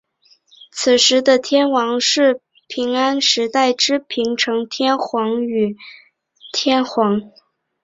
此时的天皇是平安时代之平城天皇与嵯峨天皇。